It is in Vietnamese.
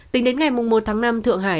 tính đến ngày một tháng năm thượng hải